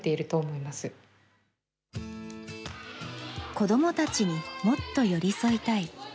子どもたちにもっと寄り添いたい。